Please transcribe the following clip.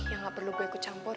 yang gak perlu gue ikut campur